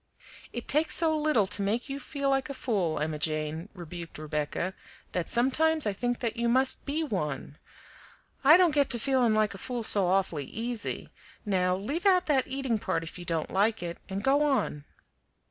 "It takes so little to make you feel like a fool, Emma Jane," rebuked Rebecca, "that sometimes I think that you must BE one I don't get to feeling like a fool so awfully easy; now leave out that eating part if you don't like it, and go on."